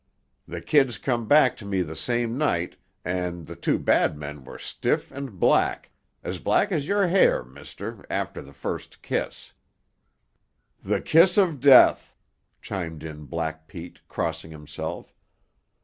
The kids come back to me the same night, and the two bad men were stiff and black—as black as your hair, mister, after the first kiss." "The kiss of Death," chimed in Black Pete, crossing himself.